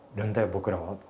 僕らは」と。